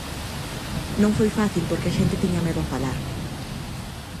Non foi fácil porque a xente tiña medo a falar.